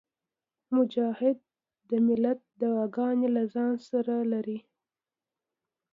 مجاهد د ملت دعاګانې له ځانه سره لري.